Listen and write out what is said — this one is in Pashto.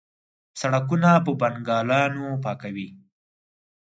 سړکونه په بنګالیانو پاکوي.